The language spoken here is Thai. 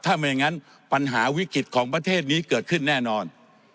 ถ้าไม่อย่างนั้นปัญหาวิกฤตของประเทศนี้เกิดขึ้นแน่นอน